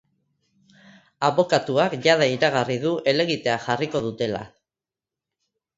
Abokatuak jada iragarri du helegitea jarriko dutela.